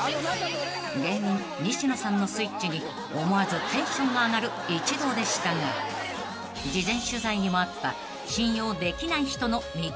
［芸人西野さんのスイッチに思わずテンションが上がる一同でしたが事前取材にもあった］